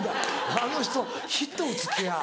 「あの人ヒット打つ気や」